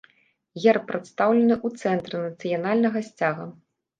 Герб прадстаўлены ў цэнтры нацыянальнага сцяга.